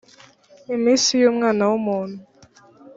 iminsi y umwana w umuntu